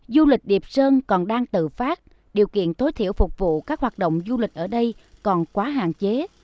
du lịch điệp sơn còn đang tự phát điều kiện tối thiểu phục vụ các hoạt động du lịch ở đây còn quá hạn chế